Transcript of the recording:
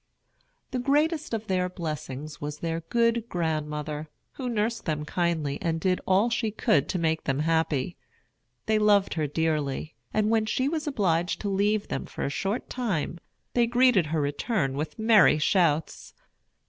The greatest of their blessings was their good grandmother, who nursed them kindly and did all she could to make them happy. They loved her dearly; and when she was obliged to leave them for a short time, they greeted her return with merry shouts.